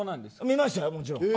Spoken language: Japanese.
見ましたよ、もちろん。